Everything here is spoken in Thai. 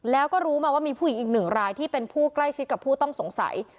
แล้วก็รู้มาว่ามีผู้หญิงอีกหนึ่งรายที่เป็นผู้ใกล้ชิดกับผู้ต้องสงสัย